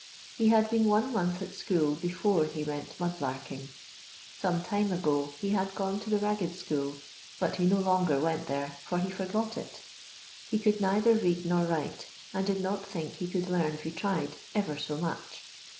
He had been one month at school before he went mud larking. Some time ago he had gone to the ragged school; but he no longer went there, for he forgot it. He could neither read nor write, and did not think he could learn if he tried " ever so much."